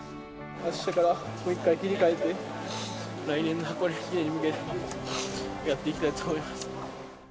あしたからもう一回切り替えて、来年の箱根駅伝に向けてやっていきたいと思います。